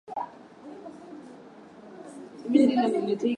leo nimeona ni vyema tuanzie nchini rwanda